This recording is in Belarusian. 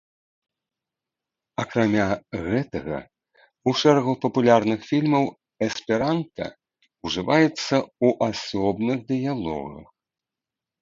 Акрамя гэтага, у шэрагу папулярных фільмаў эсперанта ужываецца ў асобных дыялогах.